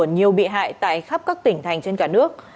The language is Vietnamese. nhiều bị hại tại khắp các tỉnh thành trên cả nước